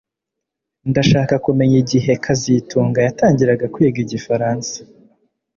Ndashaka kumenya igihe kazitunga yatangiraga kwiga igifaransa